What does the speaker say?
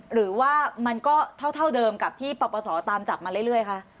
หรือว่ามันก็เท่าเดิมกับที่ปปศตามจับมาเรื่อยคะ